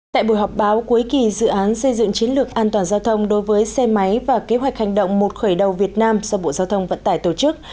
tại buổi họp báo cuối kỳ dự án xây dựng chiến lược an toàn giao thông đối với xe máy và kế hoạch hành động một khởi đầu việt nam do bộ giao thông vận tải tổ chức